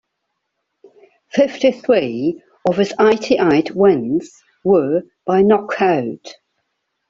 Fifty-three of his eighty-eight wins were by knockout.